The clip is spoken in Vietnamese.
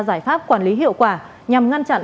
giải pháp quản lý hiệu quả nhằm ngăn chặn